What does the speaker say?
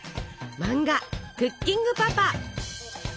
漫画「クッキングパパ」。